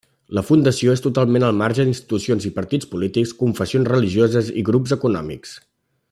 La Fundació és totalment al marge d'institucions i partits polítics, confessions religioses i grups econòmics.